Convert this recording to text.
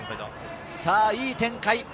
いい展開だ。